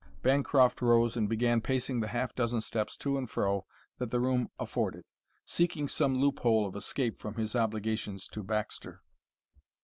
Bancroft rose and began pacing the half dozen steps to and fro that the room afforded, seeking some loophole of escape from his obligations to Baxter.